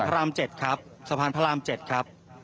ขึ้นไปฝั่งพระราม๗ครับสะพานพระราม๗ครับ